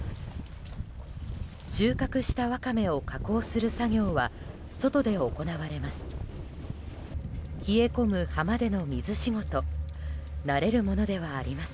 収穫したワカメを加工する作業は外で行われます。